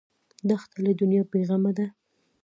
دښته له دنیا بېغمه ده.